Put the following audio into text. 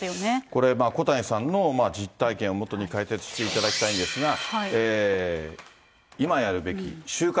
これ、小谷さんの実体験をもとに解説していただきたいんですが、今やるべき終活。